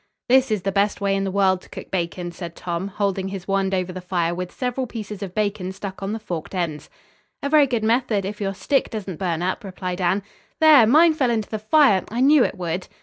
"This is the best way in the world to cook bacon," said Tom, holding his wand over the fire with several pieces of bacon stuck on the forked ends. "A very good method, if your stick doesn't burn up," replied Anne. "There! Mine fell into the fire. I knew it would."